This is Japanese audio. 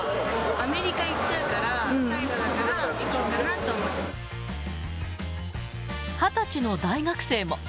アメリカ行っちゃうから、最後だから、２０歳の大学生も。